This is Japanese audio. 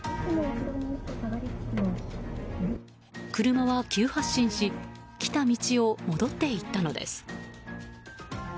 車は急発進し来た道を戻っていったのです。